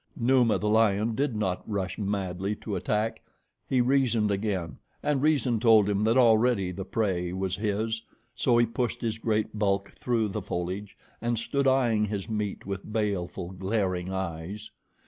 Numa, the lion, did not rush madly to attack. He reasoned again, and reason told him that already the prey was his, so he pushed his great bulk through the foliage and stood eyeing his meat with baleful, glaring eyes.